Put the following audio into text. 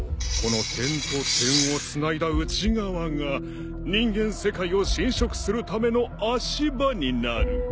この点と点をつないだ内側が人間世界を侵食するための足場になる。